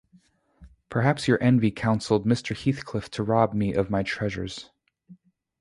Perhaps your envy counselled Mr. Heathcliff to rob me of my treasures?